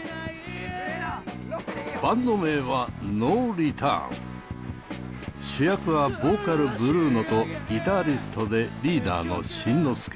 バンド名は主役はボーカルブルーノとギタリストでリーダーのしんのすけ。